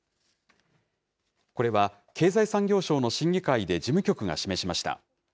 これは、経済産業省の審議会で事務局が示しました。